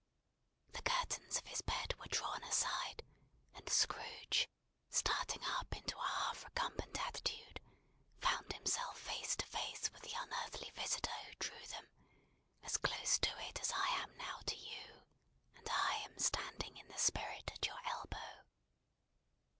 The curtains of his bed were drawn aside; and Scrooge, starting up into a half recumbent attitude, found himself face to face with the unearthly visitor who drew them: as close to it as I am now to you, and I am standing in the spirit at your elbow.